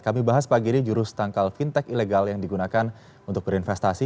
kami bahas pagi ini jurus tangkal fintech ilegal yang digunakan untuk berinvestasi